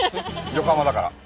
横浜だから。